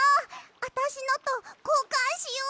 あたしのとこうかんしよ！